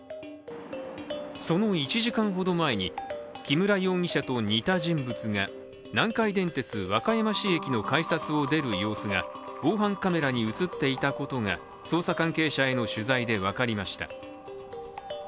その１時間ほど前に木村容疑者と似た人物が南海電鉄和歌山市駅の改札を出る様子が防犯カメラに映っていたことが捜査関係者への取材で分かりました。